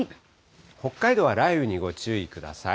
北海道は雷雨にご注意ください。